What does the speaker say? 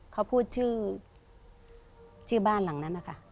เขาพูดชื่อบ้านหลังนั้นนะคะ